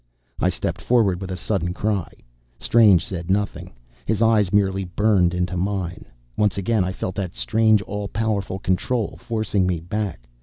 I stepped forward with a sudden cry. Strange said nothing: his eyes merely burned into mine. Once again I felt that strange, all powerful control forcing me back.